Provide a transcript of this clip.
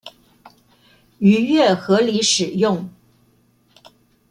逾越合理使用